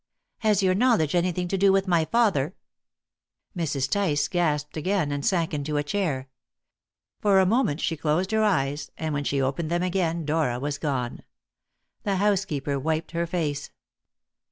"Has your knowledge anything to do with my father?" Mrs. Tice gasped again, and sank into a chair. For a moment she closed her eyes, and when she opened them again Dora was gone. The housekeeper wiped her face.